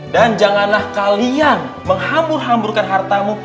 dan janganlah kalian menghambur hamburkan hartamu